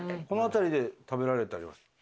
この辺りで食べられたりは？